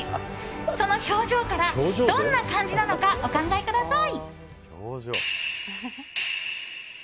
その表情からどんな漢字なのかお考えください。